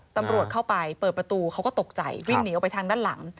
ตำรวจเข้าไปเปิดประตูเขาก็ตกใจวิ่งหนีออกไปทางด้านหลัง